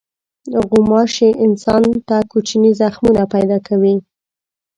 غوماشې انسان ته کوچني زخمونه پیدا کوي.